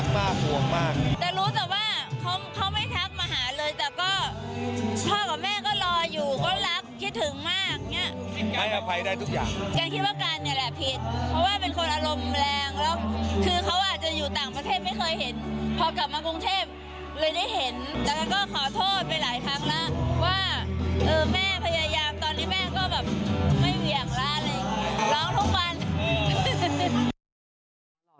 พอกลับมากรุงเทพรึ่งเลยได้เห็น